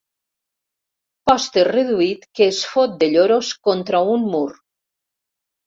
Pòster reduït que es fot de lloros contra un mur.